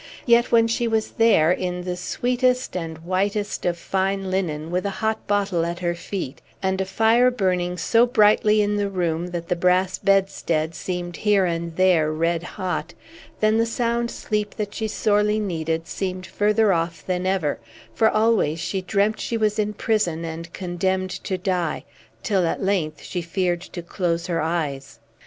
Yet when she was there, in the sweetest and whitest of fine linen, with a hot bottle at her feet, and a fire burning so brightly in the room that the brass bedstead seemed here and there red hot, then the sound sleep that she sorely needed seemed further off than ever, for always she dreamt she was in prison and condemned to die, till at length she feared to close her eyes.